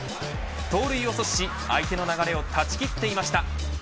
盗塁を阻止し、相手の流れを断ち切っていました。